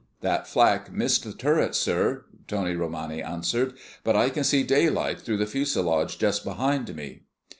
"That flak missed the turret, sir," Tony Romani answered. "But I can see daylight through the fuselage just behind me."